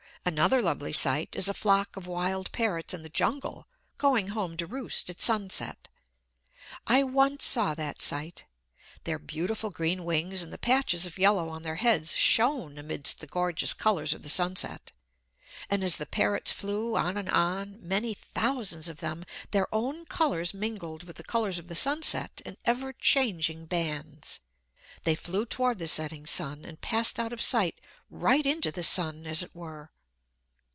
Another lovely sight is a flock of wild parrots in the jungle, going home to roost at sunset. I once saw that sight. Their beautiful green wings and the patches of yellow on their heads shone amidst the gorgeous colors of the sunset. And as the parrots flew on and on, many thousands of them, their own colors mingled with the colors of the sunset in ever changing bands. They flew toward the setting sun, and passed out of sight right into the sun, as it were.